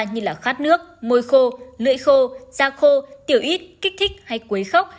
như khát nước môi khô lưỡi khô da khô tiểu ít kích thích hay quấy khóc